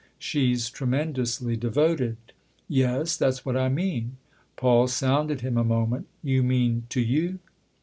She's tremendously devoted." " Yes that's what I mean." Paul sounded him a moment. " You mean to you?"